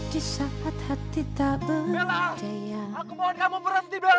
bella aku mohon kamu berhenti bella aku ingin ketemu sama kamu